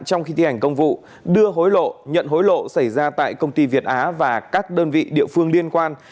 trong khi thi hành công vụ đưa hối lộ nhận hối lộ xảy ra tại công ty việt á và các đơn vị địa phương liên quan